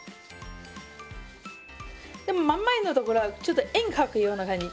でも真ん前の所はちょっと円描くような感じ。